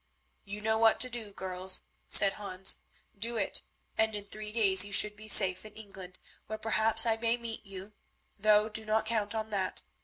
"You know what to do, girls," said Hans; "do it, and in three days you should be safe in England, where, perhaps, I may meet you, though do not count on that.